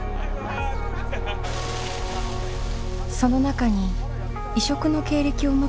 その中に異色の経歴を持つ人がいた。